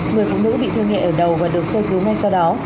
người phụ nữ bị thương nhẹ ở đầu và được sơ cứu ngay sau đó